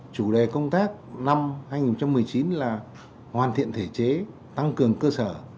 chủ đề công tác năm hai nghìn một mươi chín là hoàn thiện thể chế tăng cường cơ sở